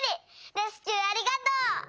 レスキューありがとう！」。